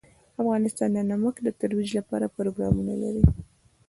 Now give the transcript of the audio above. افغانستان د نمک د ترویج لپاره پروګرامونه لري.